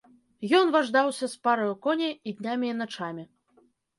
Ён важдаўся з параю коней і днямі і начамі.